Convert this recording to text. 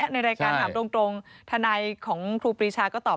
ในรายการถามตรงทนายของครูปรีชาก็ตอบ